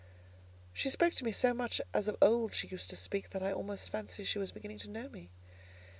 She spoke to me so much as of old she used to speak that I almost fancied she was beginning to know me.